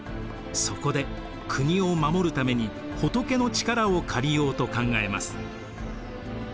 そこで国を護るために仏の力を借りようと考えます。